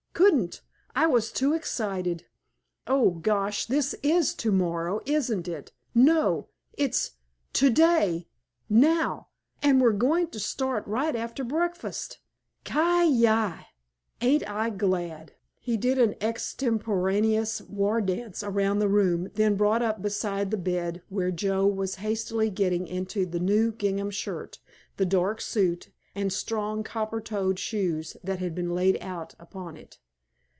Couldn't, I was too excited. Oh, golly, this is to morrow, isn't it? No, it's to day now—and we're going to start right after breakfast! Ki yi, ain't I glad!" He did an extemporaneous war dance around the room, then brought up beside the bed where Joe was hastily getting into the new gingham shirt, the dark suit, and strong copper toed shoes that had been laid out upon it.